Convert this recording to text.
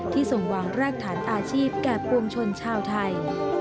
ส่งวางรากฐานอาชีพแก่ปวงชนชาวไทย